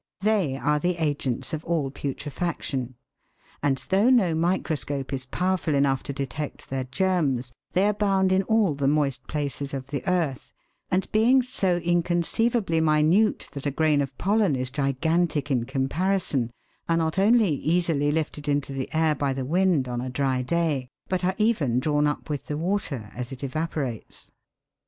They are the agents of all putrefaction, and though no microscope is powerful enough to detect their germs, they abound in all the moist places of the earth, and being so inconceivably minute that a grain of pollen is gigantic in comparison, are not only easily lifted into the air by the wind, on a dry day, but are even drawn up with the water as it evaporates.